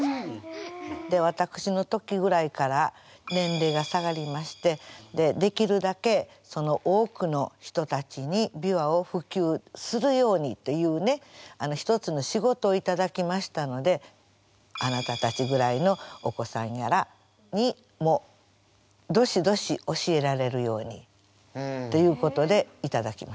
で私の時ぐらいから年齢が下がりましてできるだけ多くの人たちに琵琶を普及するようにというね一つの仕事をいただきましたのであなたたちぐらいのお子さんやらにもどしどし教えられるようにっていうことでいただきました。